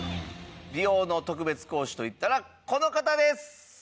美容の特別講師といったらこの方です！